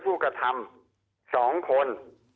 ผู้กระทำ๒คน